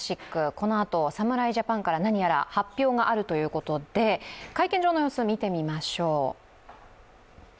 このあと侍ジャパンから何やら発表があるということで会見場の様子を見てみましょう。